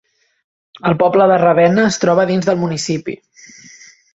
El poble de Ravenna es troba dins del municipi.